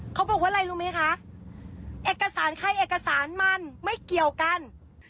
เขาบอกว่าอะไรรู้ไหมคะเอกสารใครเอกสารมันไม่เกี่ยวกัน